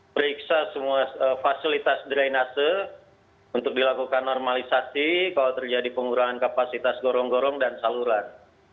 periksa semua fasilitas drainase untuk dilakukan normalisasi kalau terjadi pengurangan kapasitas gorong gorong dan saluran